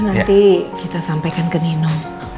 nanti kita sampaikan ke nino